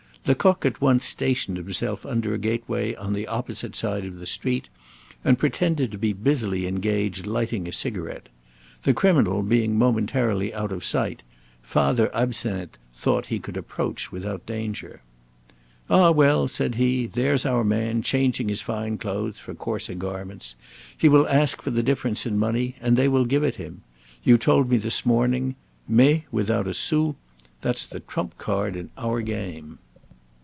Lecoq at once stationed himself under a gateway on the opposite side of the street, and pretended to be busily engaged lighting a cigarette. The criminal being momentarily out of sight, Father Absinthe thought he could approach without danger. "Ah, well," said he, "there's our man changing his fine clothes for coarser garments. He will ask for the difference in money; and they will give it him. You told me this morning: 'May without a sou' that's the trump card in our game!"